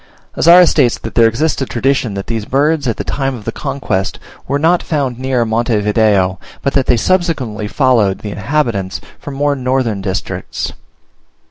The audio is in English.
Azara states that there exists a tradition that these birds, at the time of the conquest, were not found near Monte Video, but that they subsequently followed the inhabitants from more northern districts.